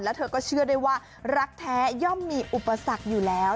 แล้วเธอก็เชื่อได้ว่ารักแท้ย่อมมีอุปสรรคอยู่แล้ว